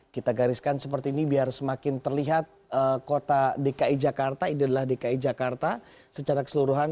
kita gariskan seperti ini biar semakin terlihat kota dki jakarta ini adalah dki jakarta secara keseluruhan